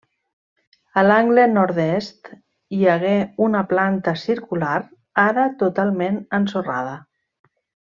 A l'angle nord-est hi hagué una planta circular, ara totalment ensorrada.